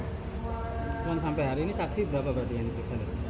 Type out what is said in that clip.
cuma sampai hari ini saksi berapa berarti yang diperiksa